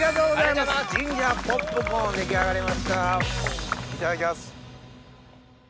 いただきます。